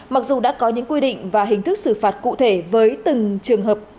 mặc dù đã có những quy định và hình thức xử phạt cụ thể với từng trường hợp